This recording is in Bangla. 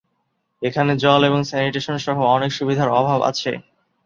এখানে জল এবং স্যানিটেশন সহ অনেক সুবিধার অভাব আছে।